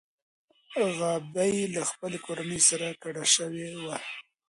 غابي له خپلې کورنۍ سره کډه شوې وه.